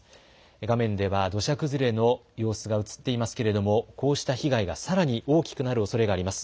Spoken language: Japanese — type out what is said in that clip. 画面では土砂崩れの様子が映っていますけれどもこうした被害がさらに大きくなるおそれがあります。